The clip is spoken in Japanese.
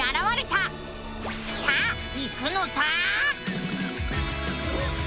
さあ行くのさ！